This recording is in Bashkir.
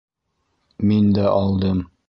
— Мин дә алдым.